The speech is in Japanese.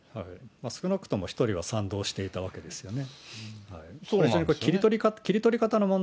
少なくとも１人は賛同していたわけですよね。